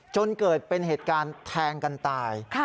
จนเกิดเป็นเหตุการณ์แทงกันตาย